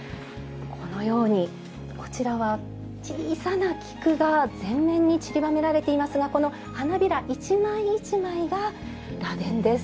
このようにこちらは小さな菊が全面にちりばめられていますがこの花びら一枚一枚が螺鈿です。